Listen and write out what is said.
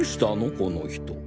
この人。